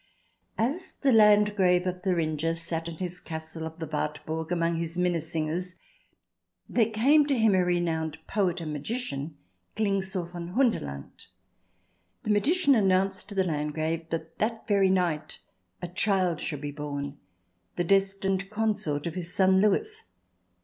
As the Landgrave of Thuringia sat in his castle of the Wartburg among his Minnesingers, there came to him a renowned poet and magician, Klingsor von Hunderland. The magician announced to the Landgrave that that very night a child should be born — the destined consort of his son Louis.